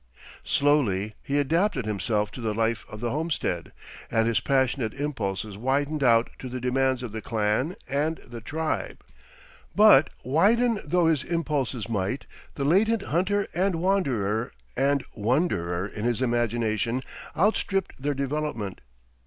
Slowly he adapted himself to the life of the homestead, and his passionate impulses widened out to the demands of the clan and the tribe. But widen though his impulses might, the latent hunter and wanderer and wonderer in his imagination outstripped their development.